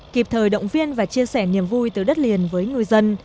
kịp thời động viên và chia sẻ niềm vui từ đất liền với ngư dân